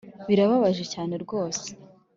'birababaje cyane rwose; '